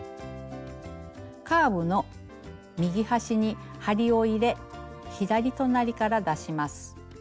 カーブの右端に針を入れ左隣から出します。